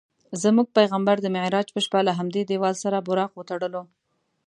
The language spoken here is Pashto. زموږ پیغمبر د معراج په شپه له همدې دیوال سره براق وتړلو.